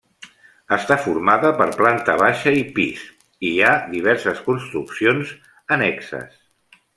Està formada per planta baixa i pis, i hi ha diverses construccions annexes.